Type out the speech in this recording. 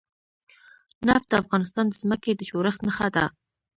نفت د افغانستان د ځمکې د جوړښت نښه ده.